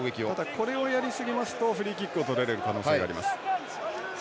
これをやりすぎますとフリーキックをとられる可能性があります。